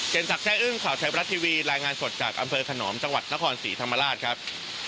สักแร่อึ้งข่าวไทยบรัฐทีวีรายงานสดจากอำเภอขนอมจังหวัดนครศรีธรรมราชครับ